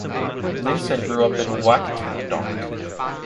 Linssen grew up in Wachtendonk.